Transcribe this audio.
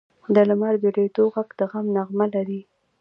د لمر د لوېدو ږغ د غم نغمه لري.